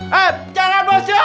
hei jangan bos jun